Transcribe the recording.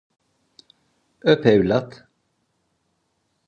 Öp evlat…